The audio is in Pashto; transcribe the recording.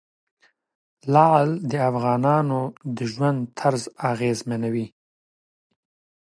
لعل د افغانانو د ژوند طرز اغېزمنوي.